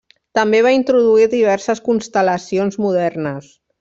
També va introduir diverses constel·lacions modernes.